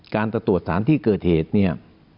การจะตรวจสารที่เกิดเหตุเนี่ย